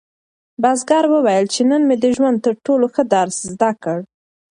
بزګر وویل چې نن مې د ژوند تر ټولو ښه درس زده کړ.